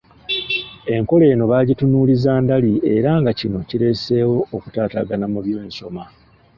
Enkola eno baagitunuuliza ndali era nga kino kireseewo okutataagana mu by’ensoma